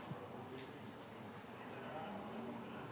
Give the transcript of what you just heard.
dengan dilakukan evaluasi secara berkelan